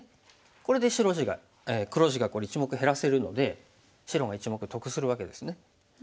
これで黒地がこれ１目減らせるので白が１目得するわけですね。